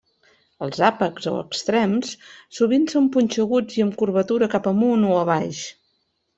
Els àpexs o extrems sovint són punxeguts i amb curvatura cap amunt o a baix.